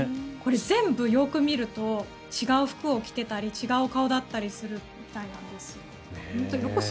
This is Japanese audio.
これ、全部よく見ると違う服を着ていたり違う顔だったりするみたいなんですよ。